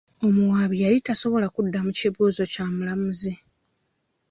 Omuwaabi yali tasobola kuddamu kibuuzo kya mulamuzi.